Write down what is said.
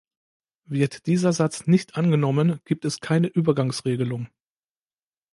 Wird dieser Satz nicht angenommen, gibt es keine Übergangsregelung.